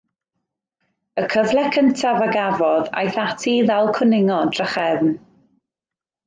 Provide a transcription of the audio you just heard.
Y cyfle cyntaf a gafodd, aeth ati i ddal cwningod drachefn.